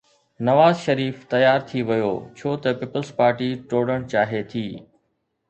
نواز شريف تيار ٿي ويو ڇو ته پيپلزپارٽي ٽوڙڻ چاهي ٿي.